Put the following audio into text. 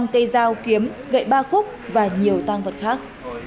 năm cây dao kiếm gậy ba khúc và nhiều tăng vật khác